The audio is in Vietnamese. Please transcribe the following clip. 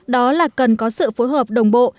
đó là cần có sự phối hợp đồng bộ